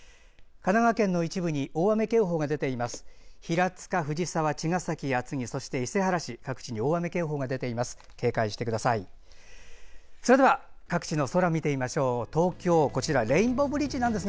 神奈川県の一部に大雨警報が出ています。